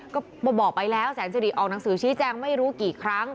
ก็บอกไปแล้วแสนสิริออกหนังสือชี้แจงไม่รู้กี่ครั้ง